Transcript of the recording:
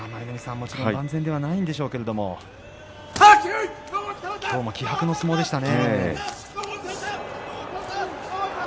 もちろん万全ではないんでしょうけれどもきょうも気迫の相撲でしたね。